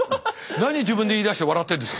何自分で言いだして笑ってんですか。